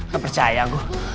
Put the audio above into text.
ga percaya aku